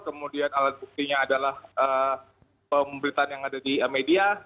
kemudian alat buktinya adalah pemberitaan yang ada di media